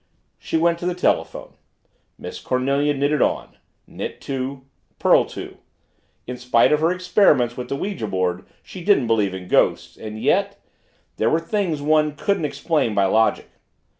She went to the telephone. Miss Cornelia knitted on knit two purl two In spite of her experiments with the ouija board she didn't believe in ghosts and yet there were things one couldn't explain by logic.